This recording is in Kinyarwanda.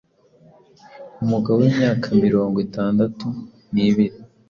umugabo w’imyaka mirongo itandatu nibiri